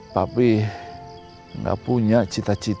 tapi nggak punya cita cita